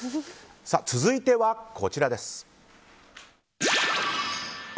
続いては、こちらです。